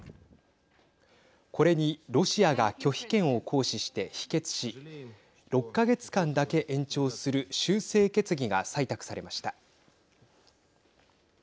これに、ロシアが拒否権を行使して否決し６か月間だけ延長する修正決議が採択されました。